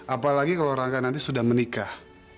apalagi kalau rangka nanti sudah menikah